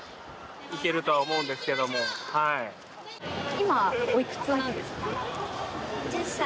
今、おいくつなんですか？